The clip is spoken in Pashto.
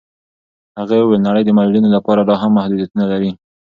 هغې وویل نړۍ د معلولینو لپاره لاهم محدودیتونه لري.